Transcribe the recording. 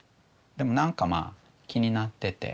でも何かまあ気になってて。